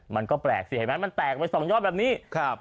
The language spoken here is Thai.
มันก็แปลกสิเห็นไหมมันแตกไว้๒ยอดแบบนี้